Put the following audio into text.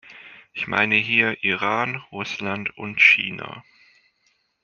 Ich meine hier Iran, Russland und China.